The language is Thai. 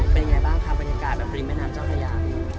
เป็นอย่างไรบ้างค่ะบรรยากาศแบบริมน้ำเจ้าพยา